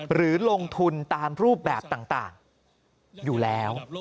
หรือลงทุนตามรูปแบบต่างอยู่แล้ว